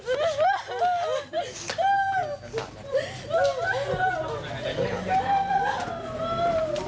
มาแม่ข้อมูล